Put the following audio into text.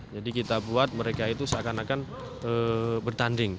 jadi kita buat mereka itu seakan akan